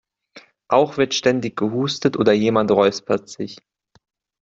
Auch wird ständig gehustet oder jemand räuspert sich.